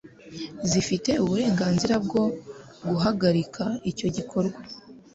zifite uburenganzira bwo guhagarika icyo gikorwa